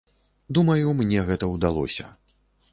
Думаю, мне гэта ўдалося.